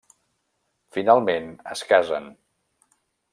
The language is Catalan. Finalment es casen.